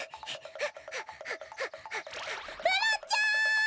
プラちゃん！